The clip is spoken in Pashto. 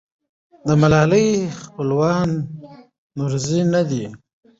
د ملالۍ خپلوان نورزي نه دي.